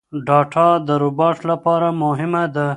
ډاټا د روباټ لپاره مهمه ده.